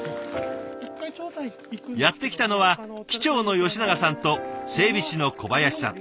やって来たのは機長の吉長さんと整備士の小林さん。